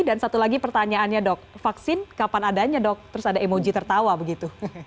dan satu lagi pertanyaannya dok vaksin kapan adanya dok terus ada emoji tertawa begitu